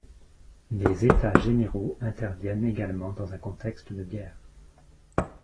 Les états généraux interviennent également dans un contexte de guerre.